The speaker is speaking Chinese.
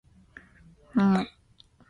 拾光坞云盘已经打通了百度网盘互传